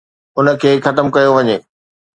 ان کي ختم ڪيو وڃي.